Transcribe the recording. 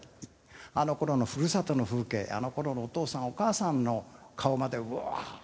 あの頃のふるさとの風景あの頃のお父さんお母さんの顔までうわーっと。